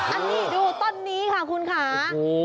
อันนี้ดูต้นนี้ค่ะคุณค่ะ